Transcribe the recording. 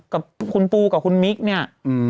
กับคุณปูกับคุณมิกเนี่ย